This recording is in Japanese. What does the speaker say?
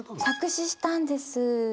作詞したんです。